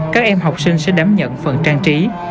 các em học sinh sẽ đảm nhận phần trang trí